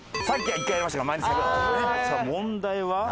さあ問題は。